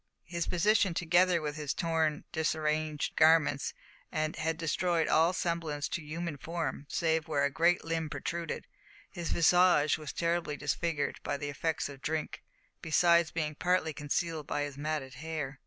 His position, together with his torn and disarranged garments, had destroyed all semblance to human form save where a great limb protruded. His visage was terribly disfigured by the effects of drink, besides being partly concealed by his matted hair.